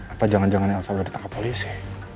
apa jangan jangan elsa udah ditangkap polisi